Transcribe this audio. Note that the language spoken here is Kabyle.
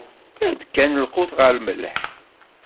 Ɛreḍ kan lqut ɣef lmelḥ?